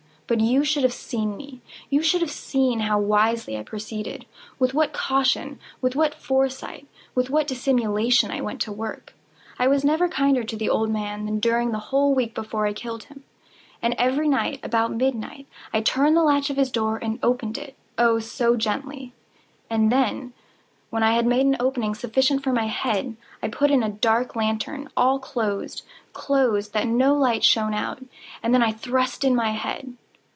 But you should have seen me. You should have seen how wisely I proceeded—with what caution—with what foresight—with what dissimulation I went to work! I was never kinder to the old man than during the whole week before I killed him. And every night, about midnight, I turned the latch of his door and opened it—oh, so gently! And then, when I had made an opening sufficient for my head, I put in a dark lantern, all closed, closed, that no light shone out, and then I thrust in my head.